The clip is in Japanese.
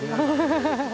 ハハハハッ。